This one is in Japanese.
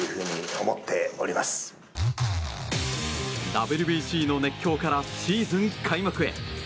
ＷＢＣの熱狂からシーズン開幕へ。